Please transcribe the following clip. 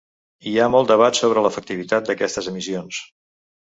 Hi ha molt debat sobre l'efectivitat d'aquestes emissions.